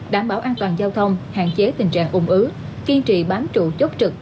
đảm bảo an toàn giao thông hạn chế tình trạng ung ứ kiên trị bám trụ chốc trực